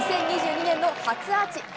２０２２年の初アーチ！